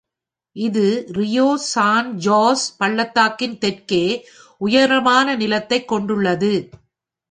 இது Rio San Jose பள்ளத்தாக்கின் தெற்கே உயரமான நிலத்தைக் கொண்டுள்ளது.